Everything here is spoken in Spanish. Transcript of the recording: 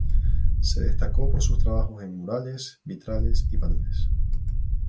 Se destacó por sus trabajos en murales, vitrales y paneles.